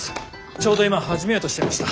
ちょうど今始めようとしていました。